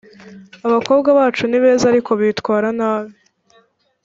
abakobwa bacu ni beza ariko bitwara nabi